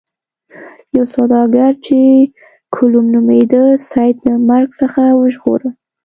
یو سوداګر چې کلوم نومیده سید له مرګ څخه وژغوره.